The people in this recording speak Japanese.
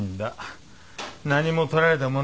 何も取られたものはない。